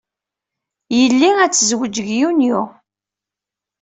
Yelli ad tezwej deg Yunyu.